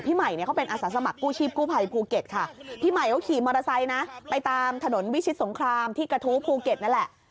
ใหม่เนี่ยเขาเป็นอาสาสมัครกู้ชีพกู้ภัยภูเก็ตค่ะพี่ใหม่เขาขี่มอเตอร์ไซค์นะไปตามถนนวิชิตสงครามที่กระทู้ภูเก็ตนั่นแหละ